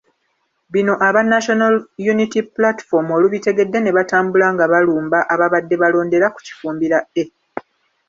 Bino aba National Unity Platform olubitegedde ne batambula nga balumba ababadde balondera ku Kifumbira A.